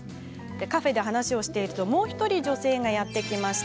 カフェで話をしているともう１人、女性がやって来ました。